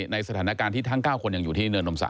ในสถานการณ์ที่ทั้ง๙คนยังอยู่ที่เนินนมศัก